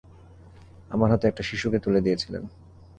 আমার হাতে একটা শিশুকে তুলে দিয়েছিলেন।